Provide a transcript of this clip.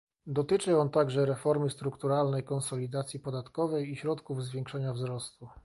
Dotyczy on także reformy strukturalnej, konsolidacji podatkowej i środków zwiększania wzrostu